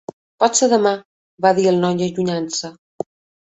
"Potser demà", va dir el noi allunyant-se.